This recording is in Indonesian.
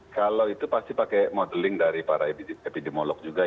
kalau itu pasti pakai modeling dari para epidemiolog juga